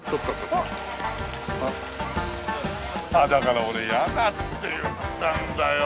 あっだから俺ヤダって言ったんだよ。